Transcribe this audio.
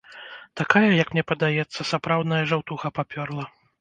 Такая, як мне падаецца, сапраўдная жаўтуха папёрла.